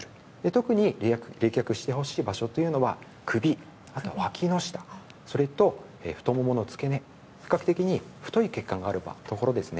特に冷却してほしい場所は首、あとはわきの下それと太ももの付け根比較的、太い血管があるところですね。